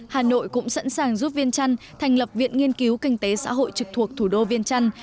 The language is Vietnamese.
hà nội cũng sẵn sàng giúp viên trăn thành lập viện nghiên cứu kinh tế xã hội trực thuộc thủ đô viên trăn